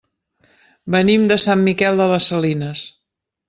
Venim de Sant Miquel de les Salines.